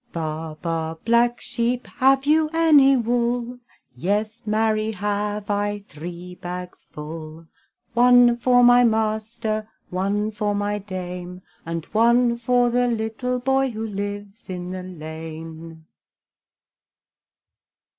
Baa, baa, black sheep, Have you any wool? Yes, marry, have I, Three bags full: One for my master, One for my dame, And one for the little boy Who lives in the lane.